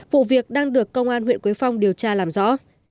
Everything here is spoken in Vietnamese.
vụ việc đang được công an huyện quế phong điều tra làm rõ